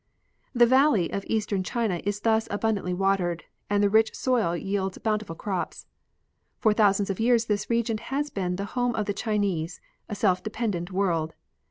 The valley of eastern China is thus abundantly watered and the rich soil yields boun tiful crops. For thousands of years this region has been the home of the Chinese, a self dependent world.